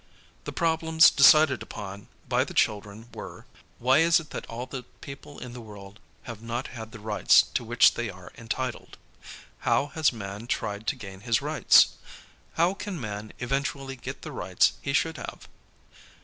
The problems decided upon by the children were: \\ hy is it tiiat all tlic i)eople in the world have not had the rights to which they are entitled? How has man tried to gain his rights? How can man eventually get the rights he should have?